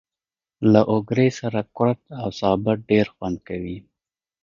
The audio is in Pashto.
له اوگرې سره کورت او سابه ډېر خوند کوي.